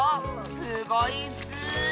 すごいッス！